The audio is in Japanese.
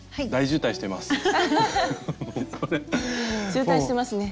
渋滞してますね。